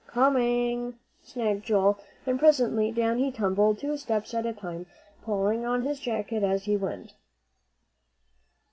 "Coming," sang Joel, and presently down he tumbled, two steps at a time, pulling on his jacket as he went.